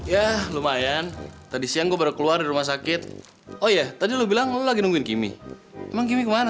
ya lumayan tadi siang gue baru keluar dari rumah sakit oh ya tadi lo bilang lo lagi nungguin kimi emang kimmy kemana